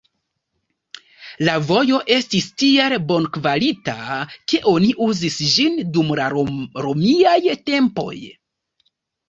La vojo estis tiel bonkvalita, ke oni uzis ĝin dum la romiaj tempoj.